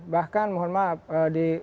bahkan mohon maaf di